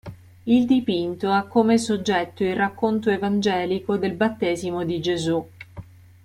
Il dipinto ha come soggetto il racconto evangelico del battesimo di Gesù.